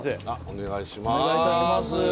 お願いいたします